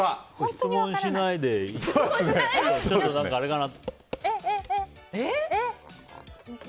質問しないでやるのはあれかな。